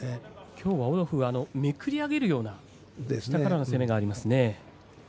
きょうはオドフーはめくり上げるような下からの攻めがありますね。